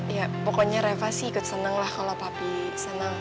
ya pokoknya reva sih ikut seneng lah kalau papi senang